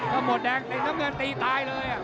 ก็หมดแดงตีน้ำเงินตีตายเลย